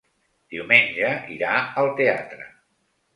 Diumenge irà al teatre.